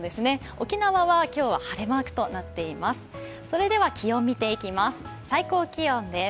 沖縄は今日は晴れマークとなっています。